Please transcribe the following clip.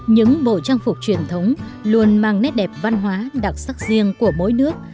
những bộ trang phục truyền thống luôn mang nét đẹp văn hóa đặc sắc riêng của mỗi nước